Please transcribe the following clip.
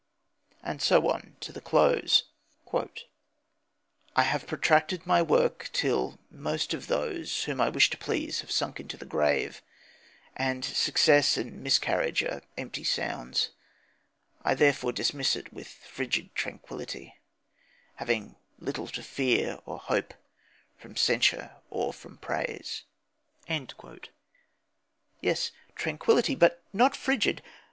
And so on to the close: "I have protracted my work till most of those whom I wish to please have sunk into the grave, and success and miscarriage are empty sounds: I therefore dismiss it with frigid tranquillity, having little to fear or hope from censure or from praise." Yes, tranquillity; but not frigid!